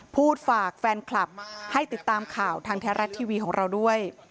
พูดฝากแฟนคลับให้ติดตามข่าวทางแท้รัฐทีวีของเราด้วย